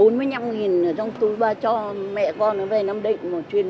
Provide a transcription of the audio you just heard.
rất nhiều hành khách phụ xe khói khe hỏi thăm để tìm hiểu câu chuyện